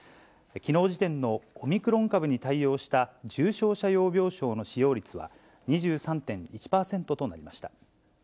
きのう時点のオミクロン株に対応した重症者用病床の使用率は２３．１％となりました。